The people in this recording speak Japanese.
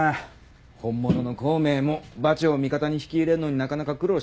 本物の孔明も馬超を味方に引き入れんのになかなか苦労したからな。